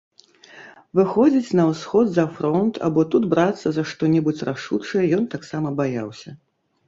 Выходзіць на ўсход за фронт або тут брацца за што-небудзь рашучае ён таксама баяўся.